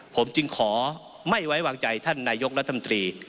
ผมจึงขอไม่ไว้วางใจท่านนายกรัฐมนตรี